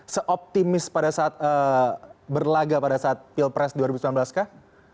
seoptimis pada saat berlaga pada saat pilpres dua ribu sembilan belas kah